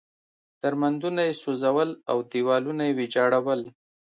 درمندونه یې سوځول او دېوالونه یې ویجاړول.